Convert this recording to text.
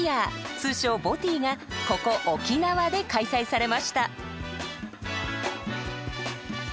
通称ＢＯＴＹがここ沖縄で開催されました。